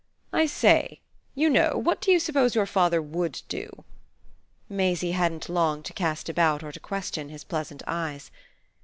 "I say, you know, what do you suppose your father WOULD do?" Maisie hadn't long to cast about or to question his pleasant eyes.